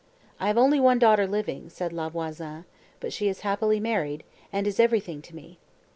"I have only one daughter living," said La Voisin, "but she is happily married, and is everything to me.